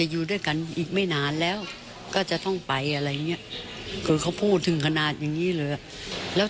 อยู่ด้วยกันไปก่อนนะ